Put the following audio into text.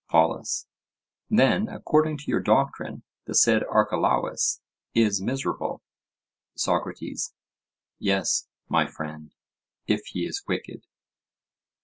POLUS: Then, according to your doctrine, the said Archelaus is miserable? SOCRATES: Yes, my friend, if he is wicked.